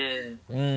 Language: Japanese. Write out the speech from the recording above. うん。